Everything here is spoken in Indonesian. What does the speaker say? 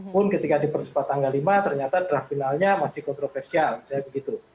pun ketika dipercepat tanggal lima ternyata draft finalnya masih kontroversial misalnya begitu